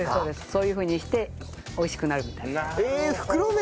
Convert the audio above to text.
そういうふうにして美味しくなるみたいな。